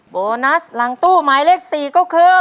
โบนัสหลังตู้หมายเลข๔ก็คือ